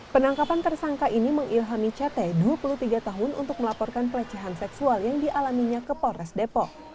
penangkapan tersangka ini mengilhami ct dua puluh tiga tahun untuk melaporkan pelecehan seksual yang dialaminya ke polres depok